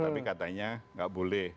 tapi katanya enggak boleh